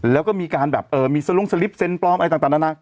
แล้วก็มีการแบบมีสลุงสลิปเซ็นปลอมอะไรต่างนานา